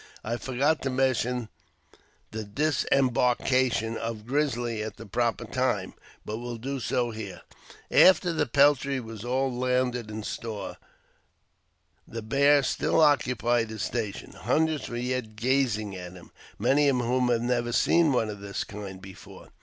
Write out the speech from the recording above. I forgot to mention the disembarkation of Grizzly at the proper time, but will do so here. After the peltry was all landed and stored, the bear still occupied his station. Hundreds were yet gazing at him, many of whom had never seen one of the kind before.